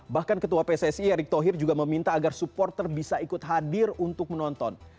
bahkan ketua pssi erick thohir juga meminta agar supporter bisa ikut hadir untuk menonton